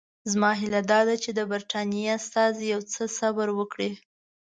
زما هیله دا ده چې د برټانیې استازي یو څه صبر وکړي.